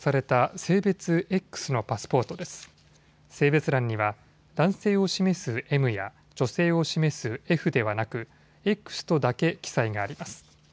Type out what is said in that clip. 性別欄には男性を示すＭや女性を示すＦではなく、Ｘとだけ記載があります。